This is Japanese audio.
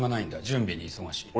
準備に忙しい。